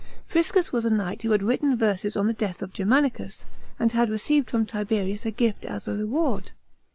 Priscus was a knight who had written verses on the death of Germatiicus, aud had received from Tiberius a gift as a reward.